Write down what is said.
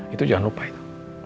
itu jangan lupa itu